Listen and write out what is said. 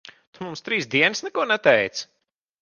Tu mums trīs dienas neko neteici?